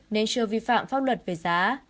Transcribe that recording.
nên chưa vi phạm pháp luật về giá